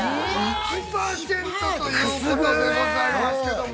◆１％ということでございますけれども。